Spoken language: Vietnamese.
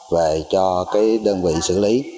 về cho đơn vị xử lý